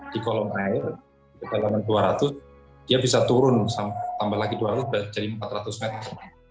di kolom air di kedalaman dua ratus dia bisa turun tambah lagi dua ratus jadi empat ratus meter